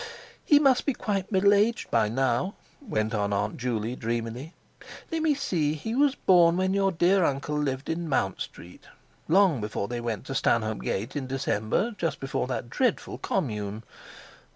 "He must be quite middle aged by now," went on Aunt Juley dreamily. "Let me see, he was born when your dear uncle lived in Mount Street; long before they went to Stanhope Gate in December. Just before that dreadful Commune.